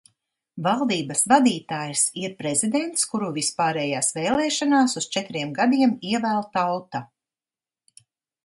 Valdības vadītājs ir prezidents, kuru vispārējās vēlēšanās uz četriem gadiem ievēl tauta.